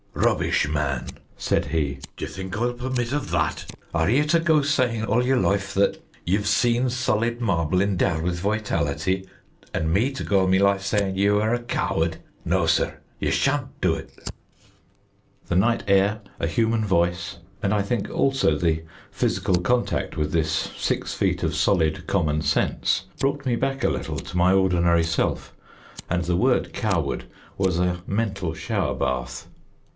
"Rubbish, man," said he; "d'ye think I'll permit of that? Are ye to go saying all yer life that ye've seen solid marble endowed with vitality, and me to go all me life saying ye were a coward? No, sir ye shan't do ut." The night air a human voice and I think also the physical contact with this six feet of solid common sense, brought me back a little to my ordinary self, and the word "coward" was a mental shower bath.